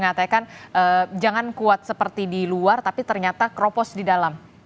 kalau kata mas ahaya mengatakan jangan kuat seperti di luar tapi ternyata kropos di dalam